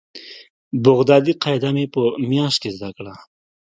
بغدادي قاعده مې په مياشت کښې زده کړه.